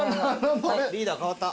リーダー代わった。